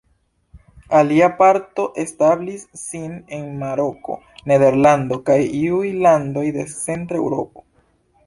Alia parto establis sin en Maroko, Nederlando kaj iuj landoj de Centra Eŭropo.